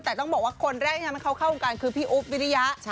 แต่ต้องบอกว่าคนแรกที่ทำให้เขาเข้าวงการคือพี่อุ๊บวิริยะ